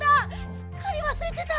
すっかりわすれてた！